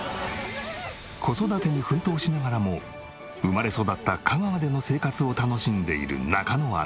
子育てに奮闘しながらも生まれ育った香川での生活を楽しんでいる中野アナ。